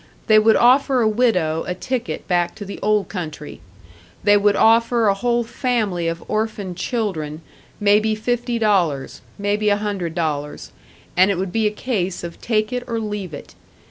They would offer a widow a ticket back to the old country; they would offer a whole family of orphaned children, maybe fifty dollars, maybe a hundred dollars and it would be a case of take it or leave it.